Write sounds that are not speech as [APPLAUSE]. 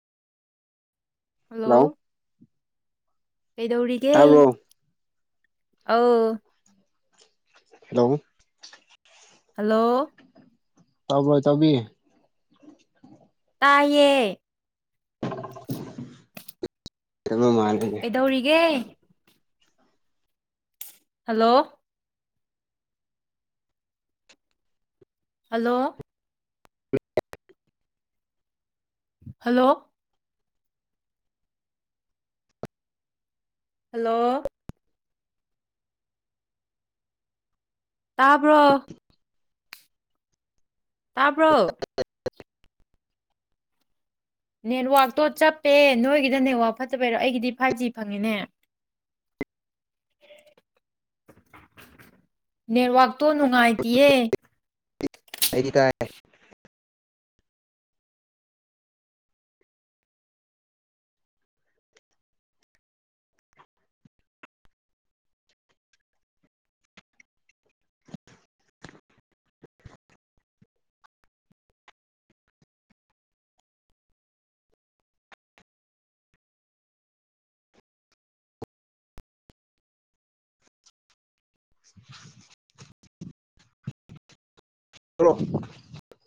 hello hello ꯀꯩꯗꯧꯔꯤꯒꯦ ꯑ hello hello ꯇꯕꯣꯏ ꯇꯕꯤ ꯇꯥꯏꯌꯦ ꯇꯥꯕ ꯃꯥꯜꯂꯦꯅꯦ ꯑꯦꯗꯧꯔꯤꯒ ꯍꯜꯂꯣ ꯍꯜꯂꯣ ꯍꯜꯂꯣ ꯍꯜꯂꯣ ꯇꯥꯄ ꯇꯥꯔꯕꯣ ꯅꯦꯠꯋꯥꯛꯇꯣ ꯆꯞꯄꯦ ꯅꯣꯏꯒꯤꯗ ꯅꯦꯠꯋꯥꯛ ꯐꯠꯇꯕꯩꯔꯣ ꯑꯩꯒꯤꯗꯤ ꯐꯥꯏꯚ ꯖꯤ ꯐꯪꯉꯤꯅꯦ ꯅꯋꯥ ꯇꯣ ꯅꯨꯡꯉꯥꯏꯇꯌꯦ ꯑꯩꯔꯤ ꯀ [INAUDIBLE] ꯔ꯭ꯔꯣ